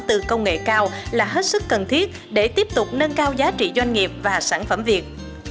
từ công nghệ cao là hết sức cần thiết để tiếp tục nâng cao giá trị doanh nghiệp và sản phẩm việt